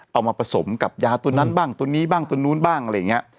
เอามาผสมกับยาตัวนั้นบ้างตัวนี้บ้างตัวนู้นบ้างอะไรอย่างนี้